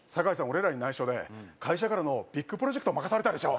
俺らに内緒で会社からのビッグプロジェクト任されたでしょ？